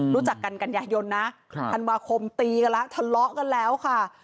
รู้จักกันกันยายนนะธันวาคมตีกันแล้วทะเลาะกันแล้วค่ะ